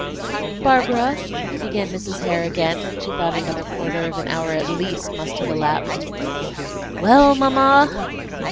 "Barbara," began Mrs. Hare again, when she thought another quarter of an hour at least must have elapsed. "Well, mamma?"